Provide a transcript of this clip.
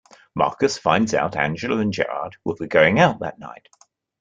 Marcus finds out Angela and Gerard will be going out that night.